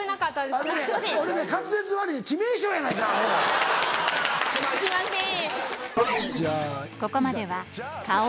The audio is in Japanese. すいません。